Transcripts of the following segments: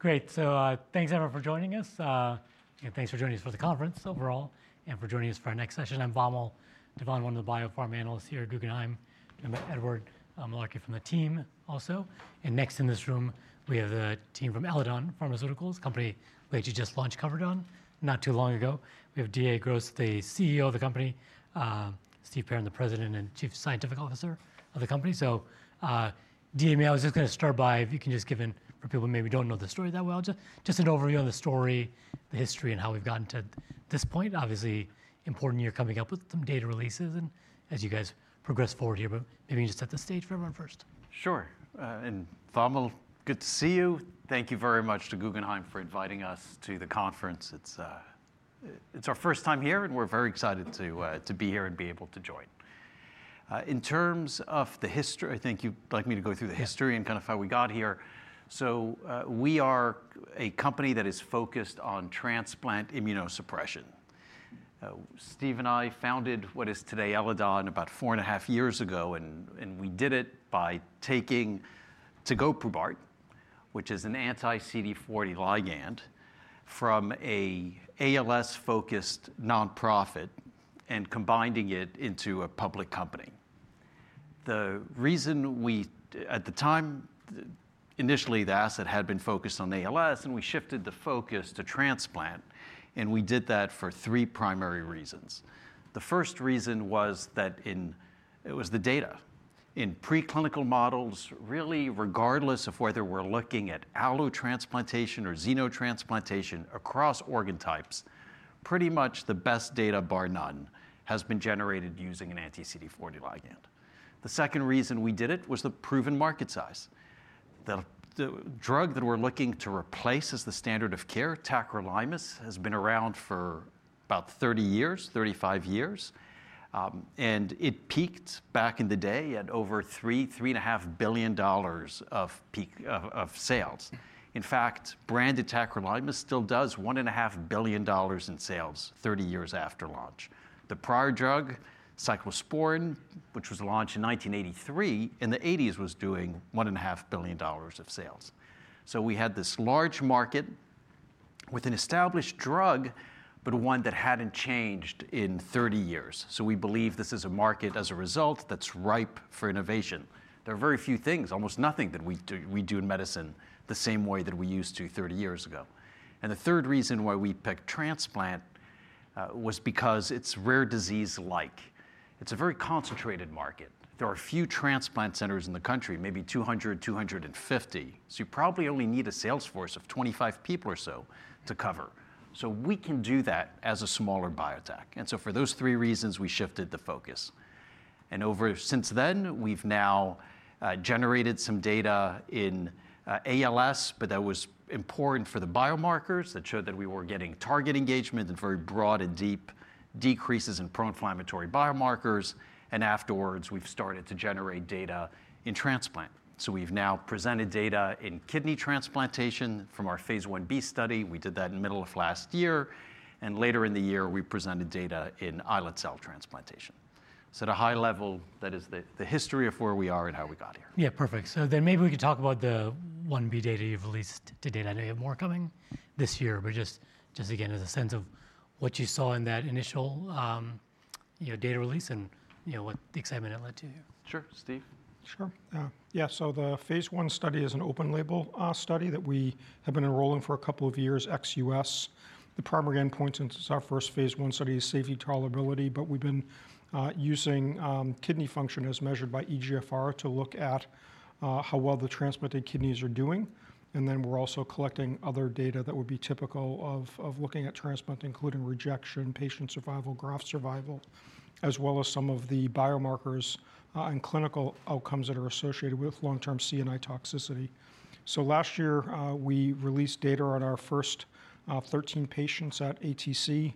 Great. Thanks, everyone, for joining us. Thanks for joining us for the conference overall, and for joining us for our next session. I'm Vamil, one of the bio-pharma analysts here at Guggenheim. Edward Malarkey from the team, also. Next in this room, we have the team from Eledon Pharmaceuticals, a company we actually just launched coverage on not too long ago. We have D.A. Gros, the CEO of the company, Steve Perrin, the President and Chief Scientific Officer of the company. D.A., I was just going to start by, if you can just give, for people who maybe don't know the story that well, just an overview on the story, the history, and how we've gotten to this point. Obviously, important year coming up with some data releases and as you guys progress forward here. Maybe you can just set the stage for everyone first. Sure. And Vamil, good to see you. Thank you very much to Guggenheim for inviting us to the conference. It's our first time here, and we're very excited to be here and be able to join. In terms of the history, I think you'd like me to go through the history and kind of how we got here. We are a company that is focused on transplant immunosuppression. Steve and I founded what is today Eledon about four and a half years ago. We did it by taking tegoprubart, which is an anti-CD40 ligand, from an ALS-focused nonprofit and combining it into a public company. The reason we, at the time, initially, the asset had been focused on ALS, and we shifted the focus to transplant. We did that for three primary reasons. The first reason was that it was the data. In preclinical models, really, regardless of whether we're looking at allotransplantation or xenotransplantation across organ types, pretty much the best data, bar none, has been generated using an anti-CD40 ligand. The second reason we did it was the proven market size. The drug that we're looking to replace as the standard of care, tacrolimus, has been around for about 30 years, 35 years. It peaked back in the day at over $3 billion, $3.5 billion of sales. In fact, branded tacrolimus still does $1.5 billion in sales 30 years after launch. The prior drug, cyclosporine, which was launched in 1983, in the 1980s was doing $1.5 billion of sales. We had this large market with an established drug, but one that hadn't changed in 30 years. We believe this is a market, as a result, that's ripe for innovation. There are very few things, almost nothing, that we do in medicine the same way that we used to 30 years ago. The third reason why we picked transplant was because it's rare disease-like. It's a very concentrated market. There are few transplant centers in the country, maybe 200, 250. You probably only need a sales force of 25 people or so to cover. We can do that as a smaller biotech. For those three reasons, we shifted the focus. Since then, we've now generated some data in ALS, but that was important for the biomarkers that showed that we were getting target engagement and very broad and deep decreases in pro-inflammatory biomarkers. Afterwards, we've started to generate data in transplant. We've now presented data in kidney transplantation from our phase I-B study. We did that in the middle of last year. Later in the year, we presented data in islet cell transplantation. At a high level, that is the history of where we are and how we got here. Yeah, perfect. Maybe we could talk about the I-B data you've released to date. I know you have more coming this year, but just again, as a sense of what you saw in that initial data release and what excitement it led to here. Sure. Steve. Sure. Yeah. The phase I study is an open-label study that we have been enrolling for a couple of years, ex-U.S. The primary endpoint since our first phase I study is safety tolerability. We have been using kidney function as measured by eGFR to look at how well the transplanted kidneys are doing. We are also collecting other data that would be typical of looking at transplant, including rejection, patient survival, graft survival, as well as some of the biomarkers and clinical outcomes that are associated with long-term CNI toxicity. Last year, we released data on our first 13 patients at ATC.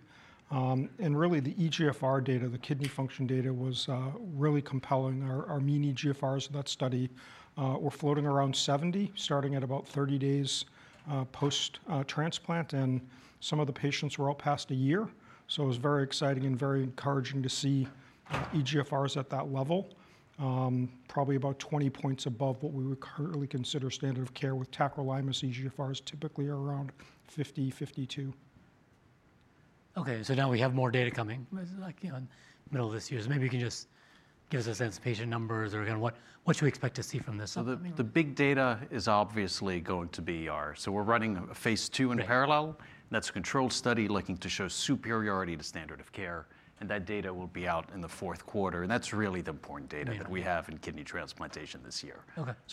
The eGFR data, the kidney function data, was really compelling. Our mean eGFRs in that study were floating around 70, starting at about 30 days post-transplant. Some of the patients were out past a year. It was very exciting and very encouraging to see eGFRs at that level, probably about 20 points above what we would currently consider standard of care. With tacrolimus, eGFRs typically are around 50, 52. OK. Now we have more data coming in the middle of this year. Maybe you can just give us a sense of patient numbers or what you expect to see from this upcoming year. The big data is obviously going to be ours. We're running phase II in parallel. That's a controlled study looking to show superiority to standard of care. That data will be out in the fourth quarter. That's really the important data that we have in kidney transplantation this year.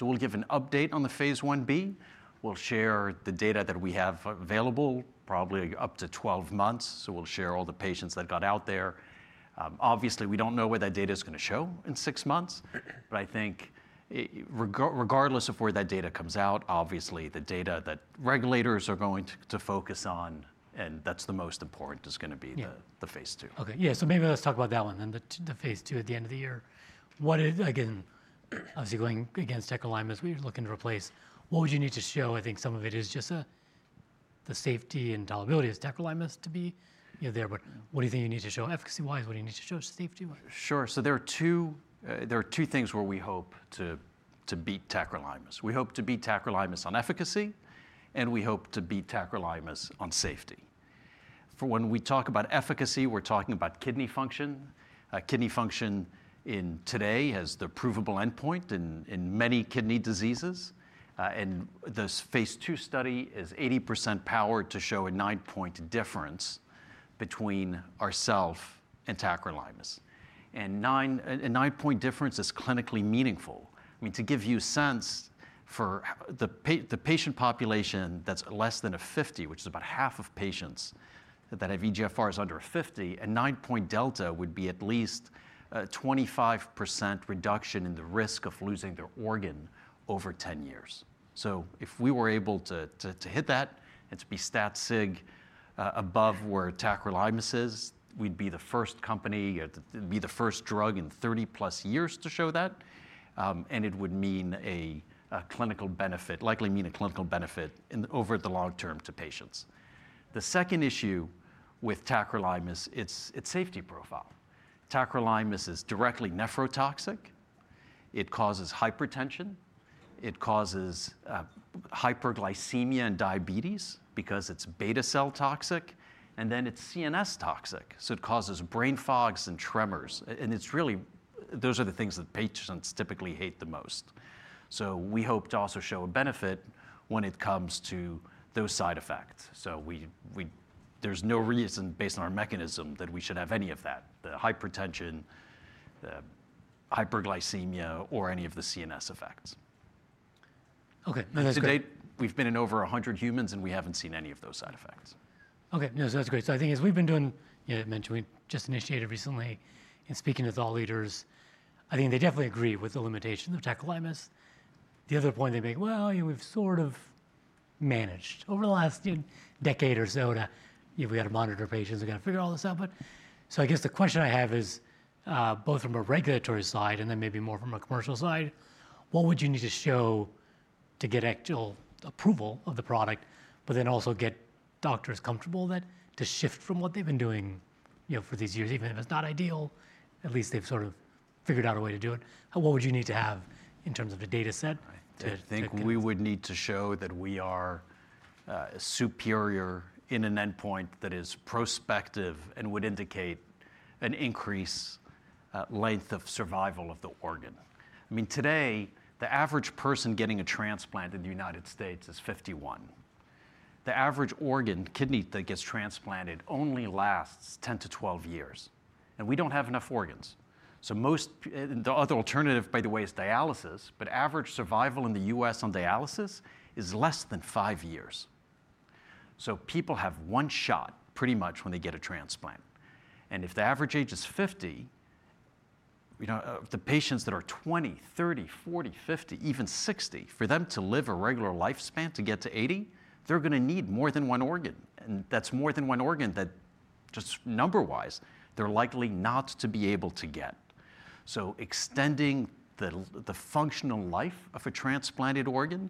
We'll give an update on the phase I-B. We'll share the data that we have available, probably up to 12 months. We'll share all the patients that got out there. Obviously, we don't know what that data is going to show in six months. I think regardless of where that data comes out, obviously, the data that regulators are going to focus on, and that's the most important, is going to be the phase II. OK. Yeah. Maybe let's talk about that one, then the phase II at the end of the year. Again, obviously going against tacrolimus, we're looking to replace. What would you need to show? I think some of it is just the safety and tolerability of tacrolimus to be there. What do you think you need to show efficacy-wise? What do you need to show safety-wise? Sure. There are two things where we hope to beat tacrolimus. We hope to beat tacrolimus on efficacy. We hope to beat tacrolimus on safety. When we talk about efficacy, we're talking about kidney function. Kidney function today has the provable endpoint in many kidney diseases. This phase II study is 80% powered to show a nine-point difference between ourself and tacrolimus. A nine-point difference is clinically meaningful. I mean, to give you a sense, for the patient population that's less than 50, which is about half of patients that have eGFRs under 50, a nine-point delta would be at least a 25% reduction in the risk of losing their organ over 10 years. If we were able to hit that and to be stat sig above where tacrolimus is, we'd be the first company or be the first drug in 30-plus years to show that. It would mean a clinical benefit, likely mean a clinical benefit over the long term to patients. The second issue with tacrolimus, it's safety profile. Tacrolimus is directly nephrotoxic. It causes hypertension. It causes hyperglycemia and diabetes because it's beta cell toxic. It is CNS toxic. It causes brain fogs and tremors. Those are the things that patients typically hate the most. We hope to also show a benefit when it comes to those side effects. There is no reason, based on our mechanism, that we should have any of that, the hypertension, the hyperglycemia, or any of the CNS effects. OK. We've been in over 100 humans, and we haven't seen any of those side effects. OK. No, that's great. I think as we've been doing, you know, mentioned, we just initiated recently in speaking with all leaders. I think they definitely agree with the limitation of tacrolimus. The other point they make, well, we've sort of managed over the last decade or so to, we got to monitor patients. We got to figure all this out. I guess the question I have is, both from a regulatory side and then maybe more from a commercial side, what would you need to show to get actual approval of the product, but then also get doctors comfortable that to shift from what they've been doing for these years, even if it's not ideal, at least they've sort of figured out a way to do it? What would you need to have in terms of a data set to? I think we would need to show that we are superior in an endpoint that is prospective and would indicate an increased length of survival of the organ. I mean, today, the average person getting a transplant in the United States is 51. The average organ, kidney that gets transplanted, only lasts 10-12 years. We do not have enough organs. The other alternative, by the way, is dialysis. Average survival in the U.S. on dialysis is less than five years. People have one shot pretty much when they get a transplant. If the average age is 50, the patients that are 20, 30, 40, 50, even 60, for them to live a regular lifespan to get to 80, they are going to need more than one organ. That is more than one organ that just number-wise, they are likely not to be able to get. Extending the functional life of a transplanted organ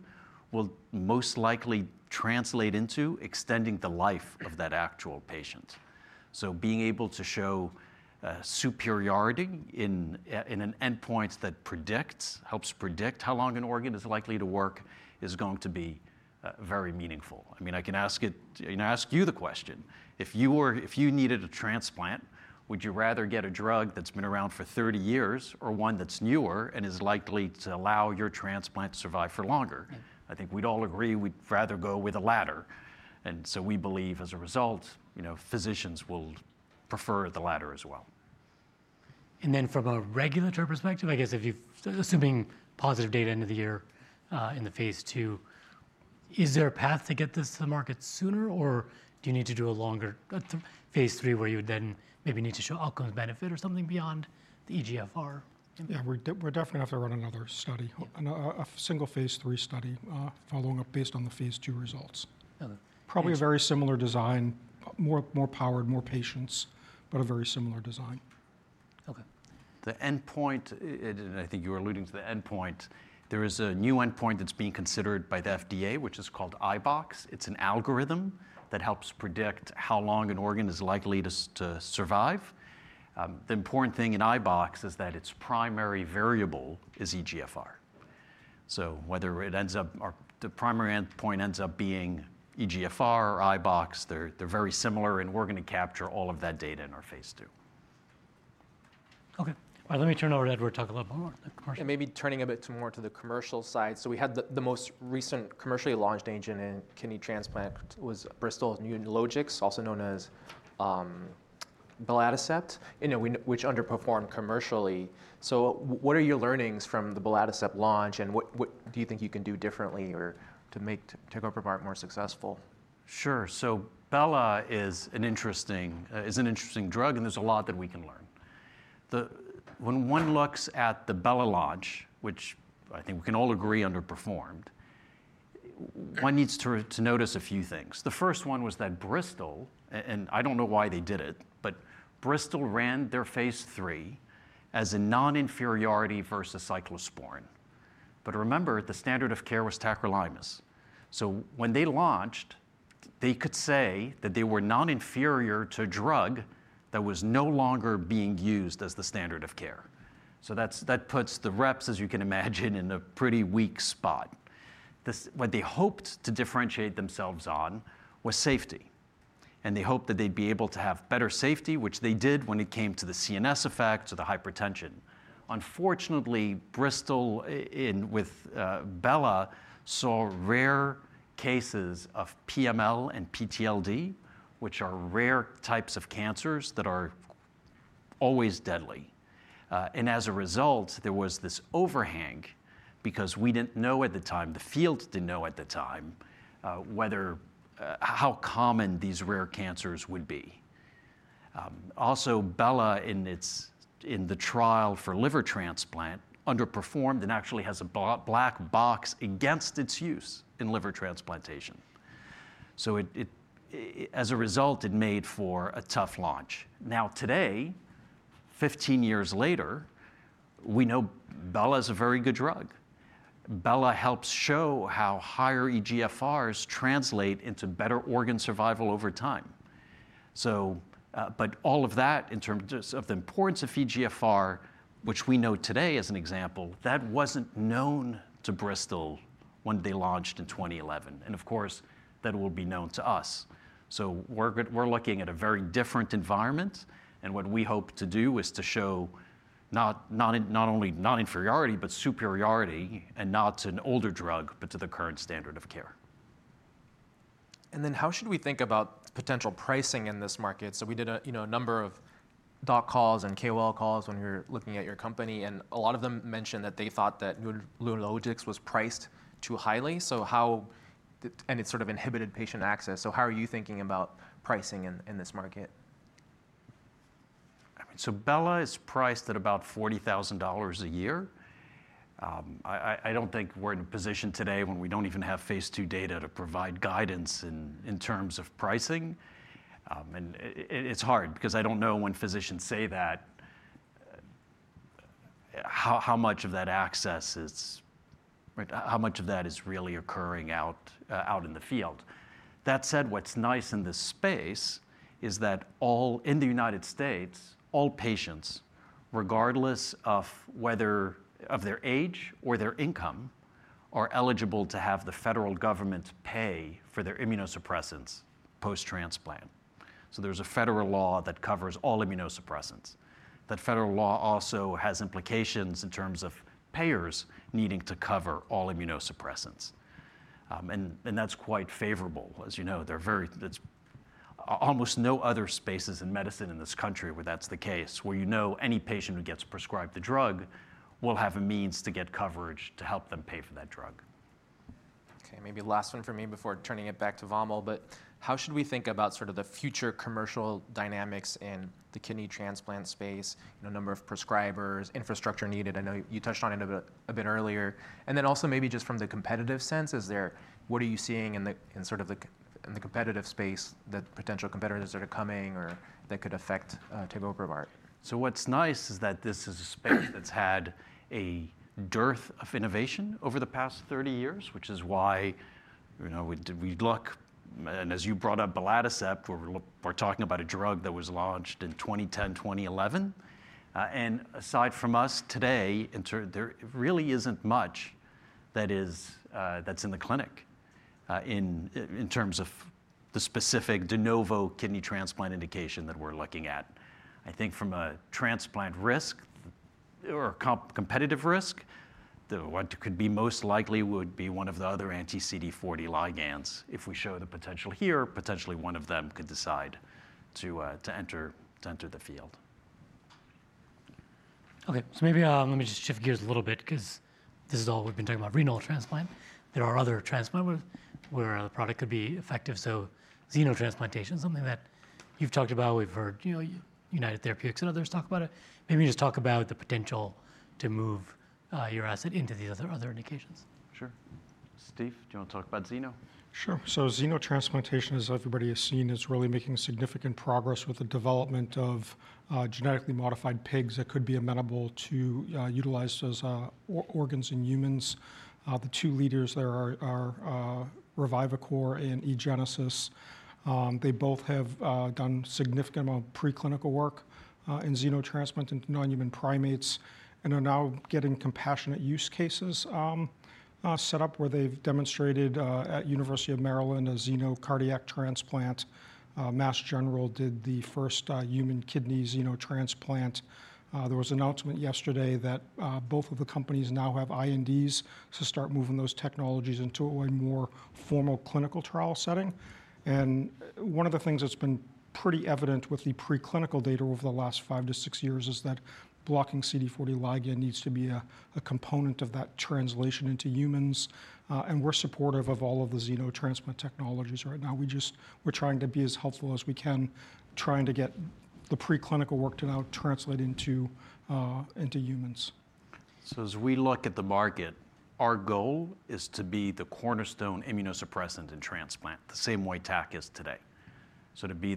will most likely translate into extending the life of that actual patient. Being able to show superiority in an endpoint that predicts, helps predict how long an organ is likely to work, is going to be very meaningful. I mean, I can ask you the question. If you needed a transplant, would you rather get a drug that's been around for 30 years or one that's newer and is likely to allow your transplant to survive for longer? I think we'd all agree we'd rather go with the latter. We believe, as a result, physicians will prefer the latter as well. From a regulatory perspective, I guess, if you're assuming positive data into the year in the phase II, is there a path to get this to the market sooner, or do you need to do a longer phase III where you would then maybe need to show outcomes, benefit, or something beyond the eGFR? Yeah. We're definitely going to have to run another study, a single phase III study following up based on the phase II results. Probably a very similar design, more powered, more patients, but a very similar design. OK. The endpoint, and I think you were alluding to the endpoint, there is a new endpoint that's being considered by the FDA, which is called iBox. It's an algorithm that helps predict how long an organ is likely to survive. The important thing in iBox is that its primary variable is eGFR. Whether it ends up, the primary endpoint ends up being eGFR or iBox, they're very similar. We're going to capture all of that data in our phase II. OK. Let me turn over to Edward to talk a little bit more. Maybe turning a bit more to the commercial side. We had the most recent commercially launched agent in kidney transplant was Bristol-Myers Squibb, also known as belatacept, which underperformed commercially. What are your learnings from the belatacept launch, and what do you think you can do differently to make tegoprubart more successful? Sure, so, bela is an interesting drug, and there's a lot that we can learn. When one looks at the bela launch, which I think we can all agree underperformed, one needs to notice a few things. The first one was that Bristol, and I don't know why they did it, but Bristol ran their phase III as a non-inferiority versus cyclosporine. Remember, the standard of care was tacrolimus. When they launched, they could say that they were non-inferior to a drug that was no longer being used as the standard of care. That puts the reps, as you can imagine, in a pretty weak spot. What they hoped to differentiate themselves on was safety. They hoped that they'd be able to have better safety, which they did when it came to the CNS effects or the hypertension. Unfortunately, Bristol, in with bela, saw rare cases of PML and PTLD, which are rare types of cancers that are always deadly. As a result, there was this overhang because we did not know at the time, the field did not know at the time, whether how common these rare cancers would be. Also, bela in the trial for liver transplant underperformed and actually has a black box against its use in liver transplantation. As a result, it made for a tough launch. Now today, 15 years later, we know bela is a very good drug. Bela helps show how higher eGFRs translate into better organ survival over time. All of that in terms of the importance of eGFR, which we know today as an example, that wasn't known to Bristol when they launched in 2011. Of course, that will be known to us. We're looking at a very different environment. What we hope to do is to show not only non-inferiority, but superiority, and not to an older drug, but to the current standard of care. How should we think about potential pricing in this market? We did a number of doc calls and KOL calls when we were looking at your company. A lot of them mentioned that they thought that Nulojix was priced too highly. It sort of inhibited patient access. How are you thinking about pricing in this market? Bela is priced at about $40,000 a year. I don't think we're in a position today when we don't even have phase II data to provide guidance in terms of pricing. It's hard because I don't know when physicians say that how much of that access is, how much of that is really occurring out in the field. That said, what's nice in this space is that in the United States, all patients, regardless of their age or their income, are eligible to have the federal government pay for their immunosuppressants post-transplant. There is a federal law that covers all immunosuppressants. That federal law also has implications in terms of payers needing to cover all immunosuppressants. That's quite favorable. As you know, there are almost no other spaces in medicine in this country where that's the case, where you know any patient who gets prescribed the drug will have a means to get coverage to help them pay for that drug. OK. Maybe last one for me before turning it back to Vamil, but how should we think about sort of the future commercial dynamics in the kidney transplant space, the number of prescribers, infrastructure needed? I know you touched on it a bit earlier. Also maybe just from the competitive sense, what are you seeing in the competitive space that potential competitors that are coming or that could affect tegoprubart? What's nice is that this is a space that's had a dearth of innovation over the past 30 years, which is why we look, and as you brought up Belatacept, we're talking about a drug that was launched in 2010, 2011. Aside from us today, there really isn't much that's in the clinic in terms of the specific de novo kidney transplant indication that we're looking at. I think from a transplant risk or competitive risk, what could be most likely would be one of the other anti-CD40 ligands. If we show the potential here, potentially one of them could decide to enter the field. OK. Maybe let me just shift gears a little bit because this is all we've been talking about, renal transplant. There are other transplants where the product could be effective. Xenotransplantation is something that you've talked about. We've heard United Therapeutics and others talk about it. Maybe you just talk about the potential to move your asset into these other indications. Sure. Steve, do you want to talk about xeno? Sure. Xenotransplantation, as everybody has seen, is really making significant progress with the development of genetically modified pigs that could be amenable to utilize as organs in humans. The two leaders there are Revivicor and eGenesis. They both have done a significant amount of preclinical work in xenotransplant in non-human primates and are now getting compassionate use cases set up where they've demonstrated at University of Maryland a xenocardiac transplant. Massachusetts General Hospital did the first human kidney xenotransplant. There was an announcement yesterday that both of the companies now have INDs to start moving those technologies into a more formal clinical trial setting. One of the things that's been pretty evident with the preclinical data over the last five to six years is that blocking CD40 ligand needs to be a component of that translation into humans. We're supportive of all of the xenotransplant technologies right now. We're trying to be as helpful as we can, trying to get the preclinical work to now translate into humans. As we look at the market, our goal is to be the cornerstone immunosuppressant in transplant, the same way TAC is today. To be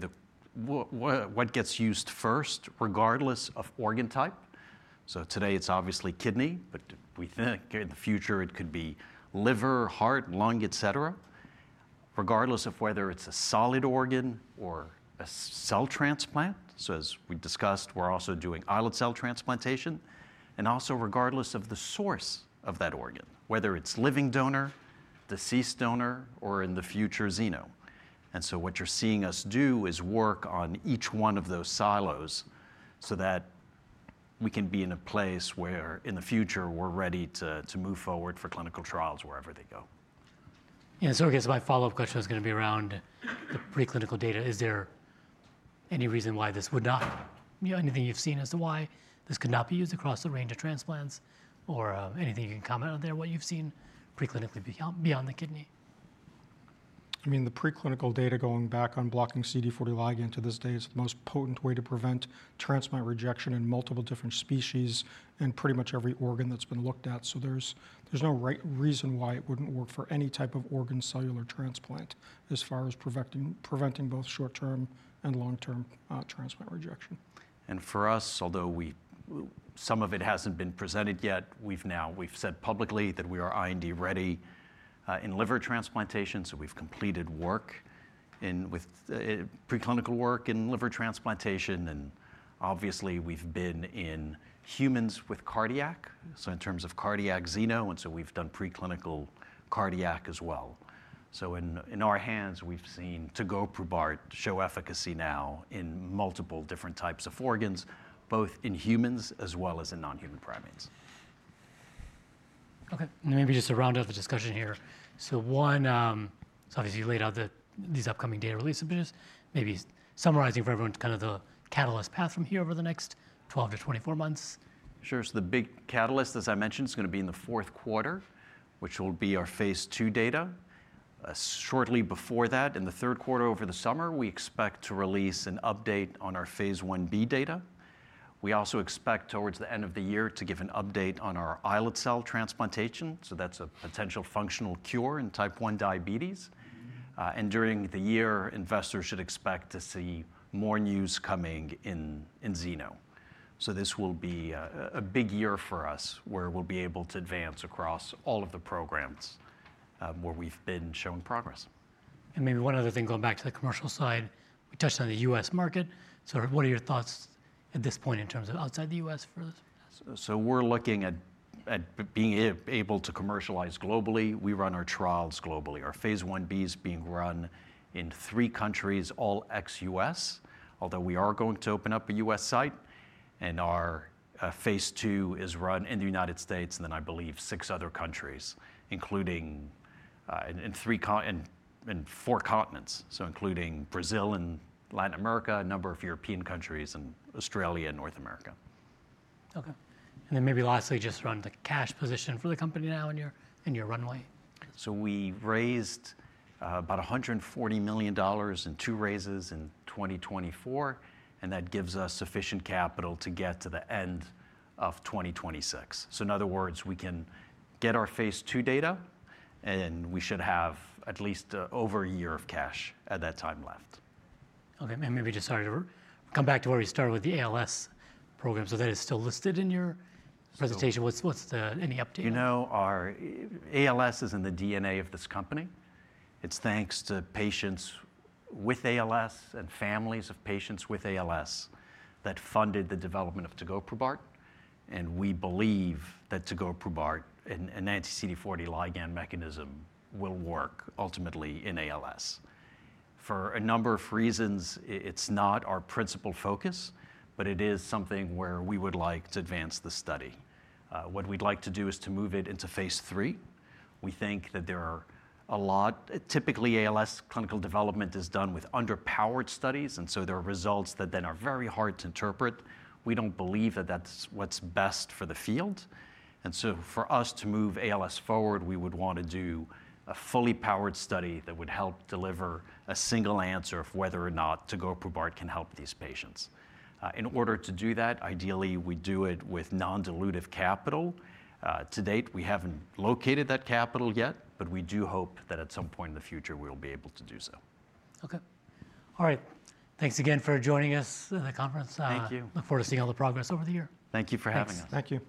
what gets used first, regardless of organ type. Today, it's obviously kidney, but we think in the future it could be liver, heart, lung, et cetera, regardless of whether it's a solid organ or a cell transplant. As we discussed, we're also doing islet cell transplantation. Also, regardless of the source of that organ, whether it's living donor, deceased donor, or in the future xeno. What you're seeing us do is work on each one of those silos so that we can be in a place where in the future we're ready to move forward for clinical trials wherever they go. Yeah. I guess my follow-up question was going to be around the preclinical data. Is there any reason why this would not, anything you've seen as to why this could not be used across the range of transplants or anything you can comment on there, what you've seen preclinically beyond the kidney? I mean, the preclinical data going back on blocking CD40 ligand to this day is the most potent way to prevent transplant rejection in multiple different species and pretty much every organ that's been looked at. There is no reason why it wouldn't work for any type of organ cellular transplant as far as preventing both short-term and long-term transplant rejection. For us, although some of it hasn't been presented yet, we've now, we've said publicly that we are IND ready in liver transplantation. We've completed work with preclinical work in liver transplantation. Obviously, we've been in humans with cardiac, in terms of cardiac xeno. We've done preclinical cardiac as well. In our hands, we've seen tegoprubart show efficacy now in multiple different types of organs, both in humans as well as in non-human primates. OK. Maybe just to round out the discussion here, so one, so obviously you laid out these upcoming data releases, but just maybe summarizing for everyone kind of the catalyst path from here over the next 12-24 months. Sure. The big catalyst, as I mentioned, is going to be in the fourth quarter, which will be our phase II data. Shortly before that, in the third quarter over the summer, we expect to release an update on our phase I-B data. We also expect towards the end of the year to give an update on our islet cell transplantation. That is a potential functional cure in type 1 diabetes. During the year, investors should expect to see more news coming in xeno. This will be a big year for us where we'll be able to advance across all of the programs where we've been showing progress. Maybe one other thing, going back to the commercial side, we touched on the U.S. market. What are your thoughts at this point in terms of outside the U.S. for this? We're looking at being able to commercialize globally. We run our trials globally. Our phase I-B is being run in three countries, all ex-U.S., although we are going to open up a U.S. site. Our phase II is run in the United States and then, I believe, six other countries, including in four continents, so including Brazil and Latin America, a number of European countries, and Australia and North America. OK. Maybe lastly, just around the cash position for the company now and your runway. We raised about $140 million in two raises in 2024. That gives us sufficient capital to get to the end of 2026. In other words, we can get our phase II data, and we should have at least over a year of cash at that time left. OK. Sorry to come back to where we started with the ALS program. That is still listed in your presentation. What's the any update? You know, our ALS is in the DNA of this company. It's thanks to patients with ALS and families of patients with ALS that funded the development of tegoprubart, and we believe that tegoprubart and anti-CD40 ligand mechanism will work ultimately in ALS. For a number of reasons, it's not our principal focus, but it is something where we would like to advance the study. What we'd like to do is to move it into phase III. We think that there are a lot, typically ALS clinical development is done with underpowered studies. And so, there are results that then are very hard to interpret. We don't believe that that's what's best for the field, and so, for us to move ALS forward, we would want to do a fully powered study that would help deliver a single answer of whether or not tegoprubart can help these patients. In order to do that, ideally, we do it with non-dilutive capital. To date, we haven't located that capital yet, but we do hope that at some point in the future we will be able to do so. OK. All right. Thanks again for joining us in the conference. Thank you. Look forward to seeing all the progress over the year. Thank you for having us. Thank you.